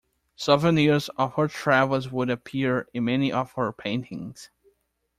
Souvenirs of her travels would appear in many of her paintings.